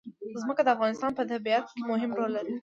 ځمکه د افغانستان په طبیعت کې مهم رول لري.